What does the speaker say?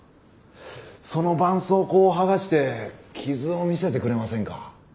その絆創膏を剥がして傷を見せてくれませんか？